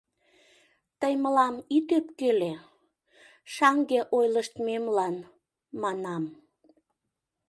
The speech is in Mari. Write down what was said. — Тый мылам ит ӧпкеле, шаҥге ойлыштмемлан, манам.